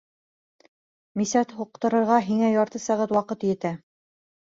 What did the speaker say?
Мисәт һуҡтырырға һиңә ярты сәғәт ваҡыт етә.